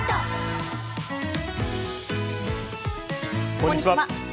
こんにちは。